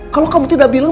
kalau kamu tidak bilang